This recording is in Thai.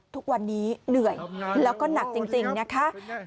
ทุกวันนี้เหนื่อยแล้วก็หนักจริงนะคะ